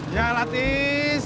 ya lah des